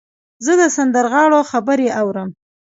زه د سندرغاړو خبرې اورم.